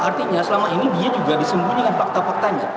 artinya selama ini dia juga disembunyikan fakta faktanya